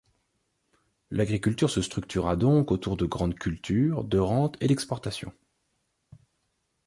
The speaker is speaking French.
L'agriculture se structura donc autour de grandes cultures de rentes et d'exportation.